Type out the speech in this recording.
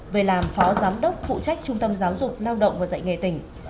về làm phó giám đốc phụ trách trung tâm giáo dục lao động và dạy nghề tỉnh